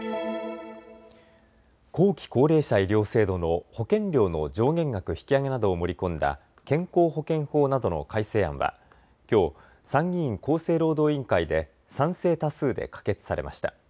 後期高齢者医療制度の保険料の上限額引き上げなどを盛り込んだ健康保険法などの改正案はきょう参議院厚生労働委員会で賛成多数で可決されました。